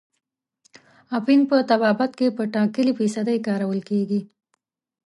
اپین په طبابت کې په ټاکلې فیصدۍ کارول کیږي.